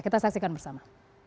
kita saksikan bersama